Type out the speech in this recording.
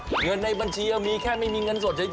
เงินในบัญชีมีแค่ไม่มีเงินสดเฉย